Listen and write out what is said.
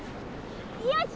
よし！